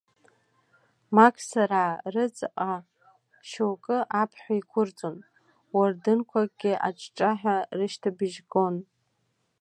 Мақсараа рыҵаҟа шьоукы аԥҳә еиқәырҵон, уардынқәакгьы аҿҿаҳәа рышьҭыбжь гон.